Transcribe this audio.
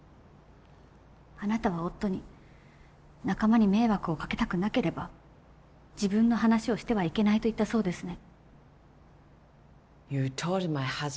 あなたは夫に「仲間に迷惑をかけたくなければ自分の話をしてはいけない」と言ったそうですね。